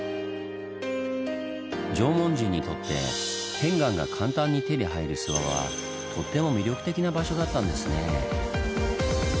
縄文人にとって片岩が簡単に手に入る諏訪はとっても魅力的な場所だったんですねぇ。